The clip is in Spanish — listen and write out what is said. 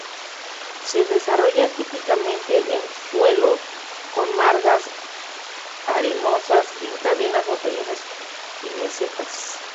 Se desarrolla típicamente en suelos con margas arenosas en cadenas montañosas y mesetas.